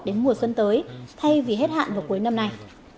đến mùa xuân tới thay vì hết hạn vào cuối năm nay